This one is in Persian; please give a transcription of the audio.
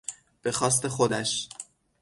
به خواست خودش